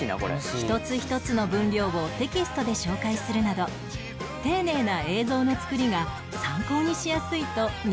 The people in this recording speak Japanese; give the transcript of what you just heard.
一つ一つの分量をテキストで紹介するなど丁寧な映像の作りが参考にしやすいと人気なんだそう